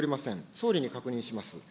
総理に確認します。